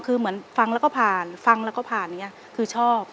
คือเหมือนฟังแล้วก็ผ่านฟังแล้วก็ผ่านอย่างนี้คือชอบ